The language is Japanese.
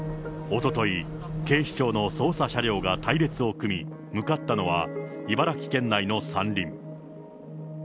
おととい、警視庁の捜査車両が隊列を組み向かったのは、茨城県内の山林。